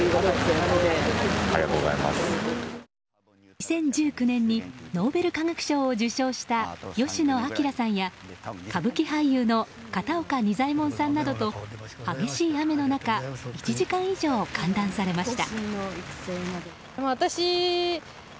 ２０１９年にノーベル化学賞を受賞した吉野彰さんや、歌舞伎俳優の片岡仁左衛門さんなどと激しい雨の中、１時間以上歓談されました。